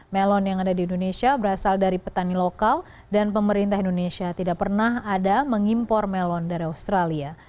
melon yang ada di indonesia berasal dari petani lokal dan pemerintah indonesia tidak pernah ada mengimpor melon dari australia